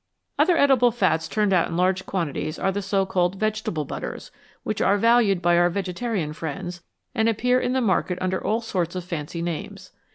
Other edible fats turned out in large quantities are the so called vegetable butters, which are valued by our vegetarian friends, and appear in the market under all sorts of fancy names.